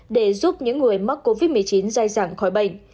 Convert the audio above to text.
để giúp những người mắc covid một mươi chín dài dẳng khỏi bệnh